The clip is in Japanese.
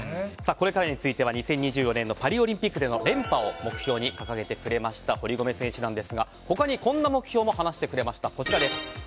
これからについては２０２４年のパリオリンピックでの連覇を目標に掲げてくれました堀米選手ですが他にこんな目標も話してくれました。